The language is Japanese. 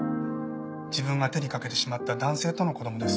自分が手にかけてしまった男性との子供です。